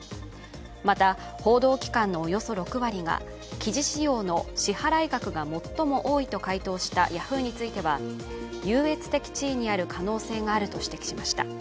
また、報道機関のおよそ６割が記事使用の支払い額が最も多いと回答したヤフーについては優越的地位にある可能性があると指摘しました。